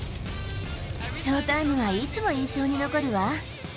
ショウタイムはいつも印象に残るわ。